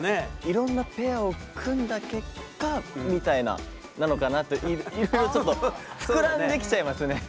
いろんなペアを組んだ結果みたいななのかなというちょっと膨らんできちゃいますね。